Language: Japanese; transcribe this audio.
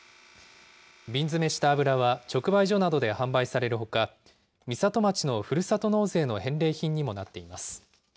瓶詰めした油は直売所などで販売されるほか、美里町のふるさと納税の返礼品にもなっています。